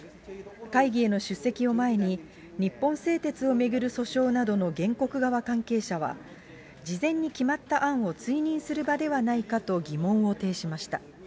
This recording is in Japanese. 会議への出席を前に、日本製鉄を巡る訴訟などの原告側関係者は、事前に決まった案を追認する場ではないかと疑問を呈しました。